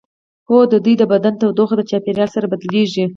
هو د دوی د بدن تودوخه د چاپیریال سره بدلیږي